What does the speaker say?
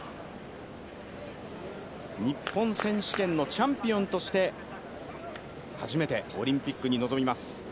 日本選手権のチャンピオンとして初めてオリンピックに臨みます。